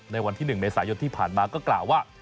ในวันที่๑เมษายนที่ผ่านมาก็กล่าวว่า